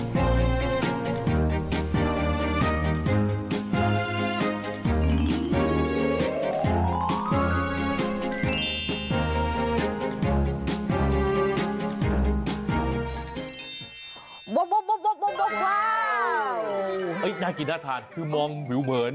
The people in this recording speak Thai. ว้าวน่ากินน่าทานคือมองเหมือน